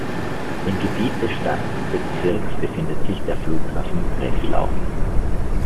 Im Gebiet des Stadtbezirks befindet sich der Flughafen Breslau.